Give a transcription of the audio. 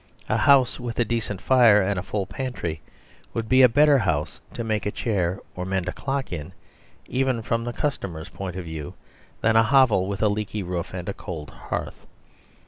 A house with a decent fire and a full pantry would be a better house to make a chair or mend a clock in, even from the customer's point of view, than a hovel with a leaky roof and a cold hearth.